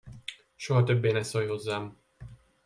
Soha többé ne szólj hozzám!